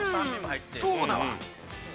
そうだわ。